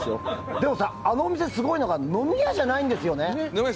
でもさ、あのお店すごいのが飲み屋じゃないんだよね。